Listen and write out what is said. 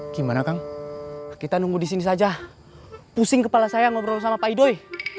gimana kang kita nunggu disini saja pusing kepala saya ngobrol sama pak idoi